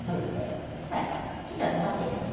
では生地をのばしていきますね。